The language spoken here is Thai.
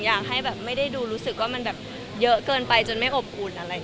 อยากให้แบบไม่ได้ดูรู้สึกว่ามันแบบเยอะเกินไปจนไม่อบอุ่นอะไรอย่างนี้